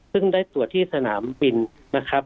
ซึ่งได้ตรวจที่สนามบินนะครับ